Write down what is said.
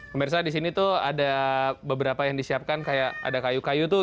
pemirsa di sini tuh ada beberapa yang disiapkan kayak ada kayu kayu tuh